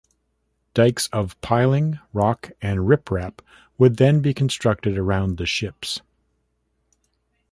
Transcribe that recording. Dykes of "piling, rock and riprap" would then be constructed around the ships.